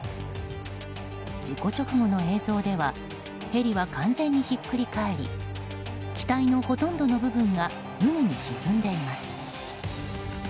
事故直後の映像ではヘリは完全にひっくり返り機体のほとんどの部分が海に沈んでいます。